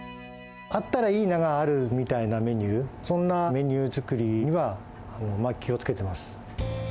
あったらいいながあるみたいなメニュー、そんなメニュー作りには気をつけてます。